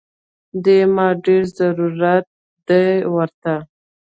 دې ما ډېر ضرورت دی ورته